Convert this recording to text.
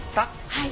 はい。